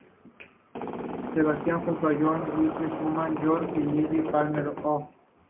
Sebastian junto a John Gielgud, Susannah York y Lilli Palmer; "Oh!